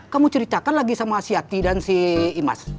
kamu ceritakan lagi sama si yati dan si imas